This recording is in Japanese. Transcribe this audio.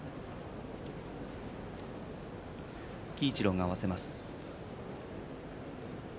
鬼一郎が合わせます。